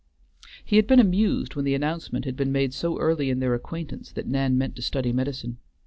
He had been amused when the announcement had been made so early in their acquaintance that Nan meant to study medicine.